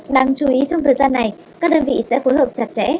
đáng chú ý trong thời gian này các đơn vị sẽ phối hợp chặt chẽ